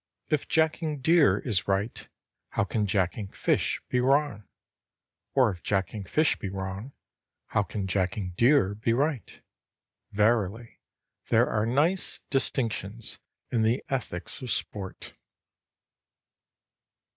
If jacking deer is right, how can jacking fish be wrong? or if jacking fish be wrong, how can jacking deer be right? Verily, there are nice distinctions in the ethics of sport.